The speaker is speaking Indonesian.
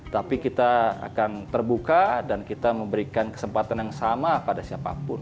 tapi kita akan terbuka dan kita memberikan kesempatan yang sama pada siapapun